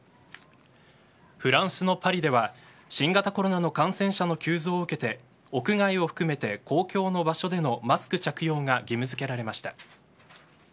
フランスのパリでは新型コロナの感染者の急増を受けて屋外を含めて公共の場所でのマスク着用が義務付けられました。